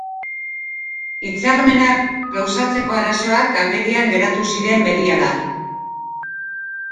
Hitzarmenak gauzatzeko arazoak agerian geratu ziren berehala.